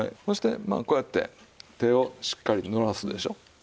そしてまあこうやって手をしっかり濡らすでしょう。